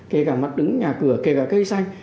kể cả mặt đứng nhà cửa kể cả cây xanh